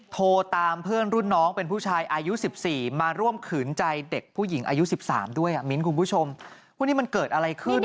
โทรตามเพื่อนรุ่นน้องเป็นผู้ชายอายุ๑๔มาร่วมขืนใจเด็กผู้หญิงอายุ๑๓ด้วยมิ้นคุณผู้ชมวันนี้มันเกิดอะไรขึ้น